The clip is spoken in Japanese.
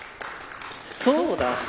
そうだ！